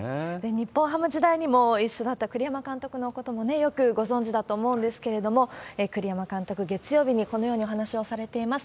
日本ハム時代にも一緒だった栗山監督のこともね、よくご存じだと思うんですけれども、栗山監督、月曜日にこのようにお話をされています。